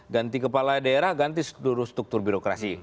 ganti kepala daerah ganti seluruh struktur birokrasi